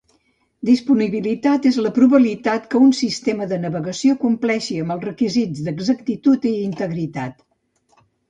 Disponibilitat és la probabilitat que un sistema de navegació compleixi amb els requisits d'exactitud i integritat.